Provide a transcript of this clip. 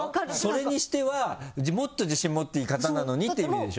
それにしてはもっと自信持っていい方なのにって意味でしょ？